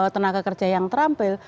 tenaga kerja yang terampil